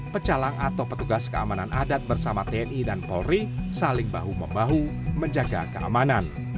pecalang atau petugas keamanan adat bersama tni dan polri saling bahu membahu menjaga keamanan